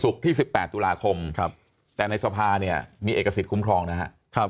ที่๑๘ตุลาคมแต่ในสภาเนี่ยมีเอกสิทธิคุ้มครองนะครับ